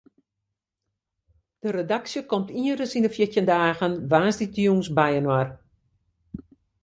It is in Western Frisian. De redaksje komt ienris yn de fjirtjin dagen woansdeitejûns byinoar.